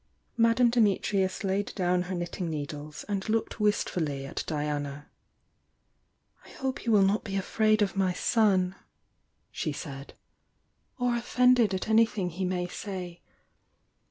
Madame Dimitrius laid down her knitting needles and looked wistfully at Diana, "I hope you will not be afraid of my son," she THE YOUNG DIANA 181 said, "or offended at anything he may say.